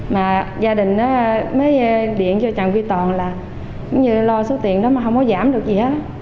mà gia đình mới điện cho trần quy toàn là cũng như lo số tiền đó mà không có giảm được gì hết